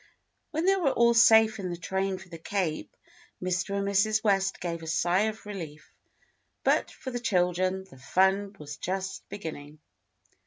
When they were all safe in the train for the Cape, Mr. and Mrs. West gave a sigh of relief, but for the children the fun was just beginning.